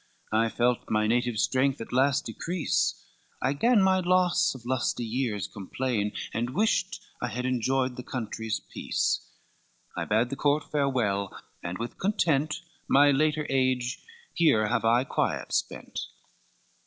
I felt my native strength at last decrease; I gan my loss of lusty years complain, And wished I had enjoyed the country's peace; I bade the court farewell, and with content My latter age here have I quiet spent."